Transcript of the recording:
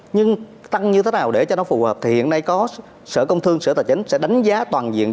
nhưng tăng như thế nào để cho nó phù hợp thì hiện nay có sở công thương sở tài chính sẽ đánh giá toàn diện